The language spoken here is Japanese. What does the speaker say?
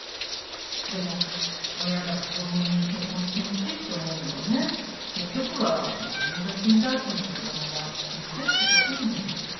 でも親が子供に結婚してほしいって思うのはね結局は自分が死んだ後の子供が心配ってことなのよ。